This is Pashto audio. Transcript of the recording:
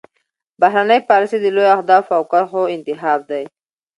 بهرنۍ پالیسي د لویو اهدافو او کرښو انتخاب دی